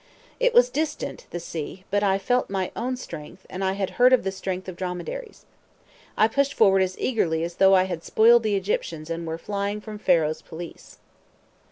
It was distant, the sea, but I felt my own strength, and I had heard of the strength of dromedaries. I pushed forward as eagerly as though I had spoiled the Egyptians and were flying from Pharaoh's police.